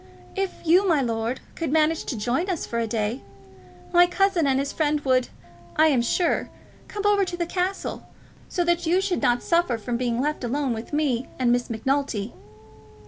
"If you, my lord, could manage to join us for a day, my cousin and his friend would, I am sure, come over to the castle, so that you should not suffer from being left alone with me and Miss Macnulty."